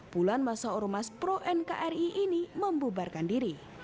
bulan masa ormas pro nkri ini membubarkan diri